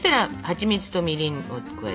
はちみつとみりん？